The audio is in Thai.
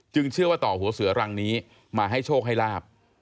เชื่อว่าต่อหัวเสือรังนี้มาให้โชคให้ลาบ